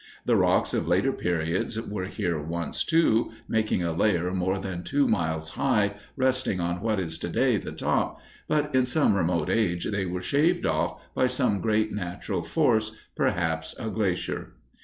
The rocks of later periods were here once, too, making a layer more than two miles high resting on what is to day the top, but in some remote age they were shaved off by some great natural force, perhaps a glacier.